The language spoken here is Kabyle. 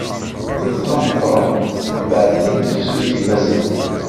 Tuffɣa meqqren mbeɛd tin n Tefsut n yimaziɣen.